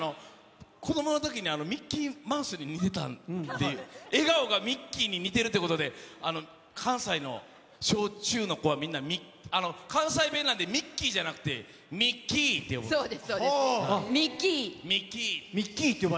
子どものときにミッキーマウスに似てたんで、笑顔がミッキーに似てたんで、関西の小中の子はみんな、関西弁なんで、ミッキーじゃなくて、そうです、そうです。